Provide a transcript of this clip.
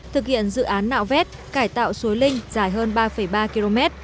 thực hiện dự án nạo vét cải tạo suối linh dài hơn ba ba km